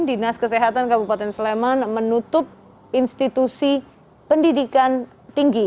dinas kesehatan kabupaten sleman menutup institusi pendidikan tinggi